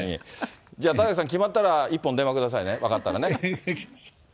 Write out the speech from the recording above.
田崎さん、決まったら一本電話くださいね、分かったらね。